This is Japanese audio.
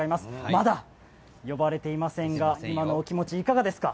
まだ、呼ばれていませんが今のお気持ち、いかがですか。